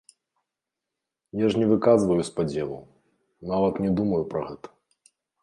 Я ж не выказваю спадзеваў, нават не думаю пра гэта.